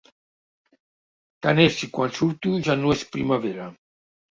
Tant és si quan surto ja no és primavera.